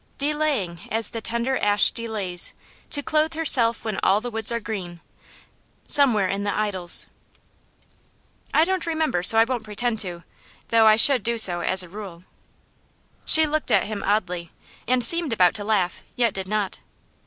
'Delaying, as the tender ash delays To clothe herself when all the woods are green, somewhere in the "Idylls."' 'I don't remember; so I won't pretend to though I should do so as a rule.' She looked at him oddly, and seemed about to laugh, yet did not.